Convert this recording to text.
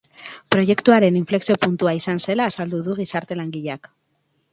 Proiektuaren inflexio puntua izan zela azaldu du gizarte langileak.